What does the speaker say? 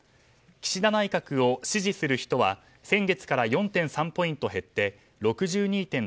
岸田内閣を支持する人は先月から４．３ポイント減って６２．６％。